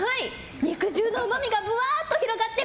肉汁のうまみがぶわっと広がって